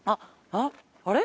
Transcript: あっあれ？